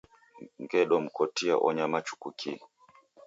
Ngedomkotia onyama chuku kii.